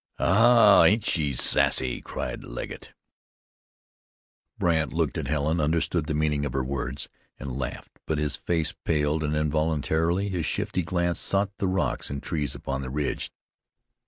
"Hah! ain't she sassy?" cried Legget. Brandt looked at Helen, understood the meaning of her words, and laughed. But his face paled, and involuntarily his shifty glance sought the rocks and trees upon the ridge.